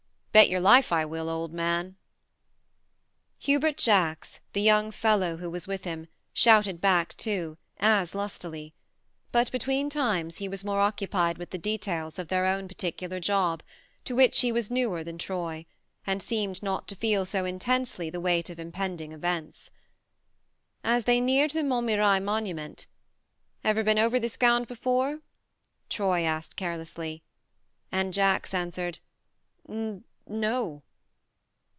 Bet your life I will, old man !" Hubert Jacks, the young fellow who was with him, shouted back too, as lustily ; but between times he was more occupied with the details of their own particular job to which he was newer than Troy and seemed not to feel so intensely the weight of impending events. As they neared the Montmirail monument: "Ever been over this ground before ?" Troy asked carelessly, and Jacks answered :" N no."